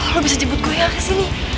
lo bisa jemput gue nggak ke sini